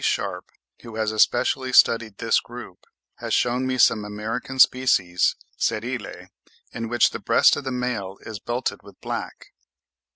Sharpe, who has especially studied this group, has shewn me some American species (Ceryle) in which the breast of the male is belted with black.